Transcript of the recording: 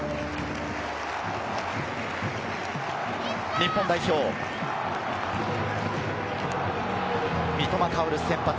日本代表、三笘薫先発。